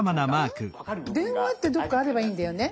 「電話」ってどこかあればいいんだよね。